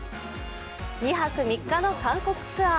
２泊３日の韓国ツアー。